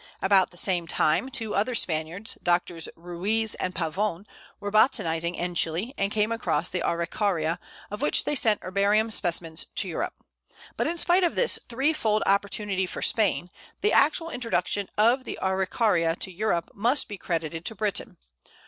About the same time two other Spaniards, Drs. Ruiz and Pavon, were botanizing in Chili, and came across the Araucaria, of which they sent herbarium specimens to Europe. But in spite of this three fold opportunity for Spain, the actual introduction of the Araucaria to Europe must be credited to Britain.